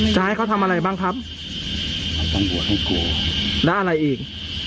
จะให้เขาทำอะไรบ้างครับแล้วอะไรอีก